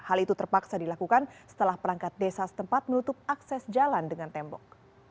hal itu terpaksa dilakukan setelah perangkat desa setempat menutup akses jalan dengan tembok